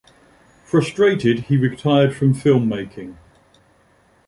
Frustrated, he retired from filmmaking.